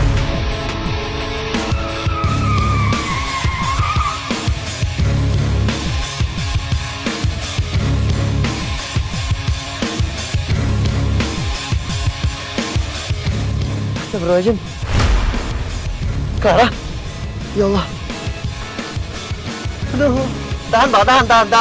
sampai jumpa di video selanjutnya